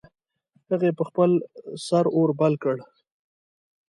هغې په خپل سر اور بل کړ